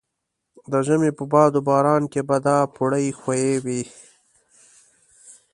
د ژمي په باد و باران کې به دا پوړۍ ښویې وې.